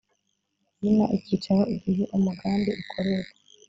izina icyicaro igihe umugambi ukorerwa